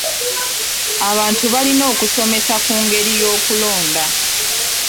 Abantu balina okusomesesa ku ngeri y'okulonda.